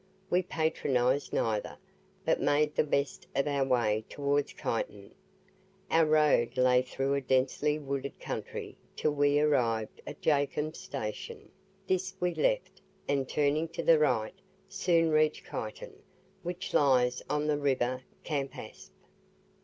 We patronized neither, but made the best of our way towards Kyneton. Our road lay through a densely wooded country till we arrived at Jacomb's Station; this we left, and turning to the right, soon reached Kyneton, which lies on the river Campaspe.